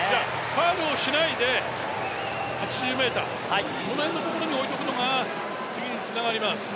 ファウルをしないで８０ｍ、この辺のところに置いておくのが次につながります。